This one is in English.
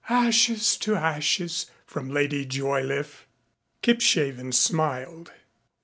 "Ashes to ashes," from Lady Joyliffe. Kipshaven smiled.